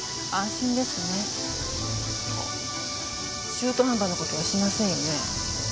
中途半端な事はしませんよね？